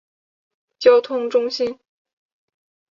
交通中心。